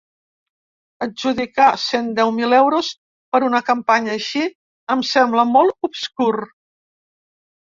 Adjudicar cent deu mil euros per una campanya així em sembla molt obscur.